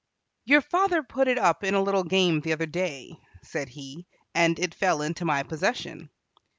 "Your father put it up in a little game the other day," said he, "and it fell into my possession."